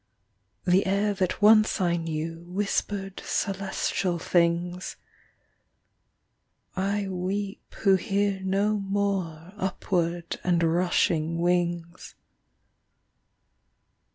The air that once I knew Whispered celestial things; I weep who hear no more Upward and rushing wings.